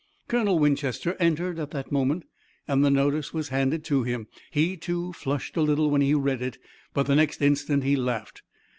Colonel Winchester entered at that moment and the notice was handed to him. He, too, flushed a little when he read it, but the next instant he laughed.